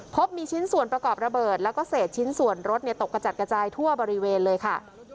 พบมีชิ้นส่วนประกอบระเบิดแล้วก็เศษชิ้นส่วนรถตกกระจัดกระจายทั่วบริเวณเลยค่ะ